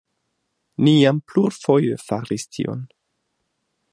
Ni jam plurfoje faris tion.